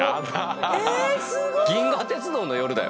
『銀河鉄道の夜』だよ。